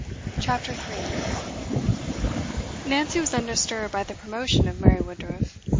CHAPTER 3 Nancy was undisturbed by the promotion of Mary Woodruff.